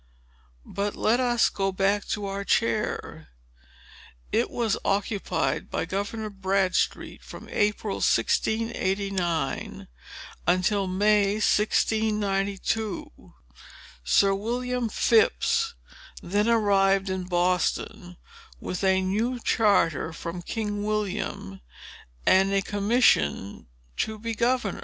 But let us go back to our chair. It was occupied by Governor Bradstreet from April, 1689, until May, 1692. Sir William Phips then arrived in Boston, with a new charter from King William, and a commission to be governor."